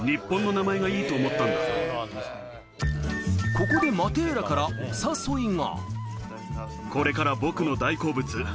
ここでマテーラからお誘いが。